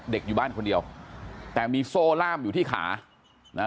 อยู่บ้านคนเดียวแต่มีโซ่ล่ามอยู่ที่ขานะฮะ